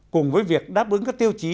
cùng với việc đáp ứng các tiêu chí